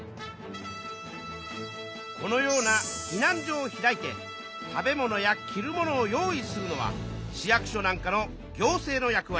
このような避難所を開いて食べ物や着る物を用意するのは市役所なんかの行政の役わりだな。